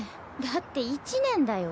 だって１年だよ？